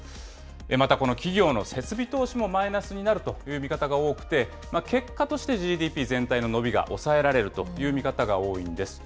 またこの企業の設備投資もマイナスになるという見方が多くて、結果としてＧＤＰ全体の伸びが抑えられるという見方が多いんです。